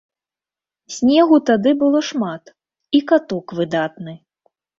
Снегу тады было шмат і каток выдатны.